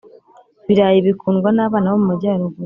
-birayi bikundwa nabana bo mumajyaruguru